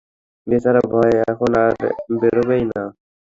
বেচারা ভয়ে এখন আর বেরোবেই না!